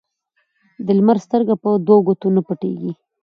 ـ د لمر سترګه په دو ګوتو نه پټيږي.